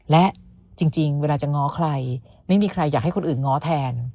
และจริงเวลาจะง้อใครไม่มีใครอยากให้คนอื่นง้อแทน